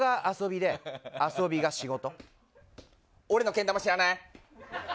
俺のけん玉、知らない？